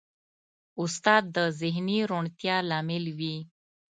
استاد د ذهني روڼتیا لامل وي.